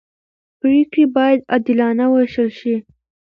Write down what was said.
پرېکړې باید عادلانه وېشل شي